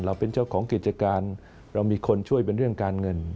เราเป็นเจ้าของกิจการเรามีคนช่วยเป็นเรื่องการเงิน